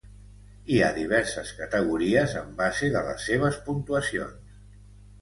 Hi ha diverses categories en base de les seves puntuacions.